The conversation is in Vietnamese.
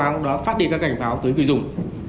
cũng đã phát đi các cảnh báo tới người dùng